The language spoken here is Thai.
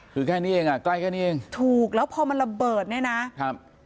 คือแค่นี้เองอ่ะใกล้กันเองถูกแล้วพอมันระเบิดเนี่ยนะครับ